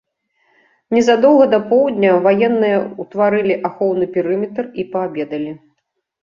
Незадоўга да поўдня ваенныя ўтварылі ахоўны перыметр і паабедалі.